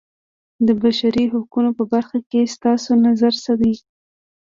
د بشري حقونو په برخه کې ستاسو نظر څه دی.